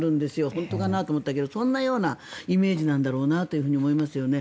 本当かな？と思ったけどそんなイメージなんだろうなと思いますよね。